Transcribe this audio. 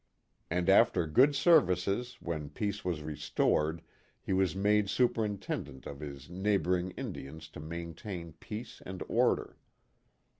And after good services when peace was restored he was made superintendent of his neighboring Indians to maintain peace and order.